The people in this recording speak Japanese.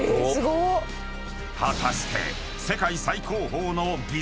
［果たして］